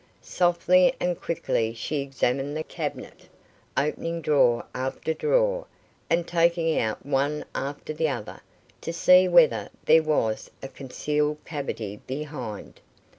Softly and quickly she examined the cabinet, opening drawer after drawer, and taking out one after the other, to see whether there was a concealed cavity behind.